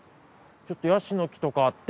ちょっとヤシの木とかあって。